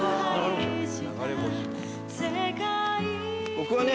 僕はね